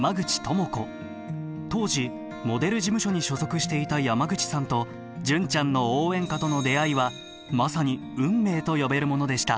当時モデル事務所に所属していた山口さんと「純ちゃんの応援歌」との出会いはまさに運命と呼べるものでした。